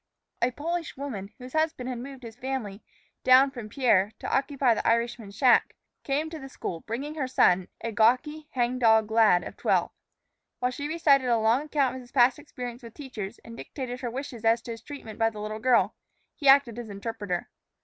A Polish woman, whose husband had moved his family down from Pierre to occupy the Irishman's shack, came to the school, bringing her son, a gawky, hangdog lad of twelve. While she recited a long account of his past experiences with teachers, and dictated her wishes as to his treatment by the little girl, he acted as interpreter.